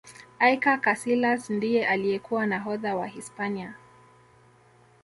iker casilas ndiye aliyekuwa nahodha wa hispania